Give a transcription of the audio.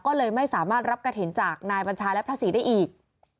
ก็เลยไม่สามารถรับกระถิ่นจากนายบัญชาและพระศรีได้อีก